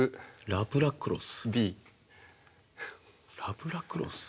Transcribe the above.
ナブラクロス？